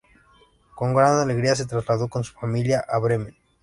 Con gran alegría se trasladó con su familia a Bremen.